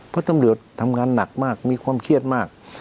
เพราะตำรวจทำงานหนักมากมีความเครียดมาก